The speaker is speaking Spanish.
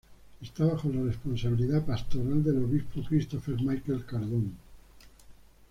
Esta bajo la responsabilidad pastoral del obispo Christopher Michael Cardone.